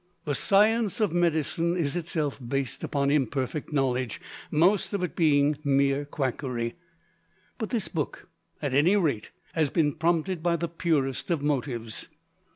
The "science" of medicine is itself based upon imperfect knowledge, most of it being mere quackery. But this book, at any rate, has been prompted by the purest of motives.